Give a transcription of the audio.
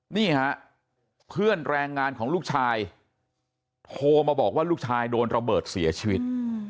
นี่ฮะเพื่อนแรงงานของลูกชายโทรมาบอกว่าลูกชายโดนระเบิดเสียชีวิต